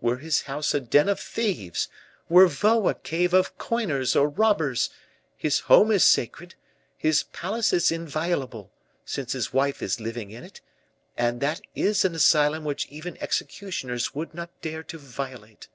Were his house a den of thieves, were Vaux a cave of coiners or robbers, his home is sacred, his palace is inviolable, since his wife is living in it; and that is an asylum which even executioners would not dare to violate.